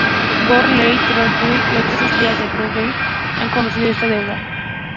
Bob Marley, Toots Hibbert y otras estrellas del reggae han reconocido esta deuda.